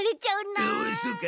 おおそうか。